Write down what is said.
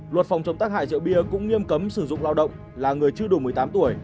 luật phòng chống tác hại rượu bia cũng nghiêm cấm sử dụng lao động là người chưa đủ một mươi tám tuổi